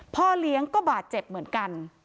พ่อเลี้ยงก็บาดเจ็บเหมือนกัน